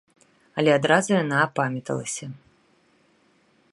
Але адразу яна апамяталася.